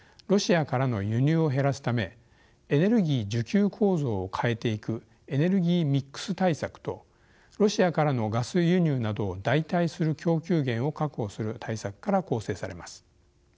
ロシアからの輸入を減らすためエネルギー需給構造を変えていくエネルギーミックス対策とロシアからのガス輸入などを代替する供給源を確保する対策から構成されます。